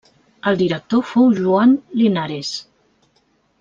El director fou Joan Linares.